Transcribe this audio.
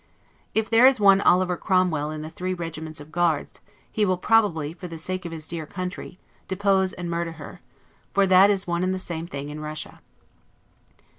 If there is one Oliver Cromwell in the three regiments of guards, he will probably, for the sake of his dear country, depose and murder her; for that is one and the same thing in Russia.